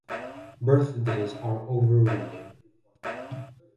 Birthdays are overrated.